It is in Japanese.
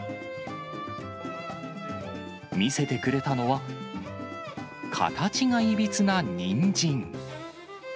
見せてくれたのは、形がいびつなにんじん。